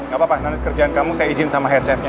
gak apa apa nanti kerjaan kamu saya izin sama headsetnya